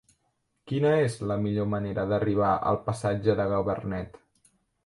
Quina és la millor manera d'arribar al passatge de Gabarnet?